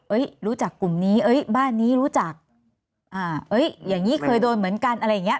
รู้จักกลุ่มนี้เอ้ยบ้านนี้รู้จักอ่าเอ้ยอย่างงี้เคยโดนเหมือนกันอะไรอย่างเงี้